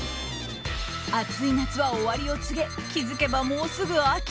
暑い夏は終わりを告げ気付けばもうすぐ秋。